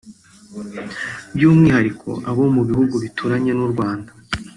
by’umwihariko abo mu bihugu bituranye n’u Rwanda